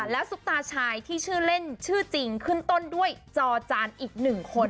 แล้วซุปตาชายที่ชื่อเล่นชื่อจริงขึ้นต้นด้วยจอจานอีกหนึ่งคน